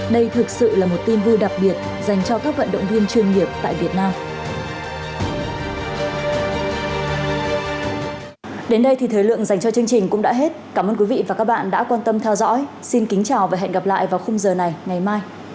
đây là một trong những thông tin đặc biệt dành cho các vận động viên chuyên nghiệp tại việt nam